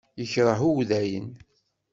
Yekreh Udayen.